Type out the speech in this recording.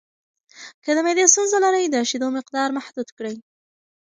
که د معدې ستونزه لرئ، د شیدو مقدار محدود کړئ.